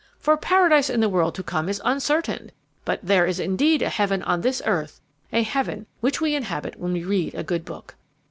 For paradise in the world to come is uncertain, but there is indeed a heaven on this earth, a heaven which we inhabit when we read a good book.